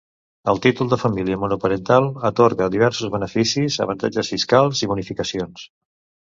El títol de família monoparental atorga diversos beneficis, avantatges fiscals i bonificacions.